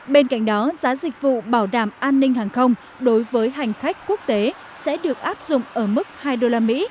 bên cạnh đó giá dịch vụ bảo đảm an ninh hàng không đối với hành khách quốc tế sẽ được áp dụng ở mức hai usd